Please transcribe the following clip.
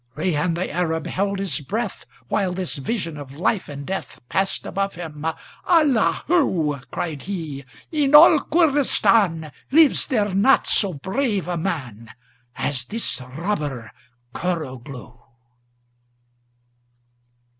Reyhan the Arab held his breath While this vision of life and death Passed above him. "Allahu!" Cried he. "In all Koordistan Lives there not so brave a man As this Robber Kurroglou!"